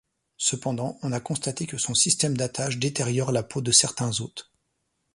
Cependant, on a constaté que son système d'attache détériore la peau de certains hôtes.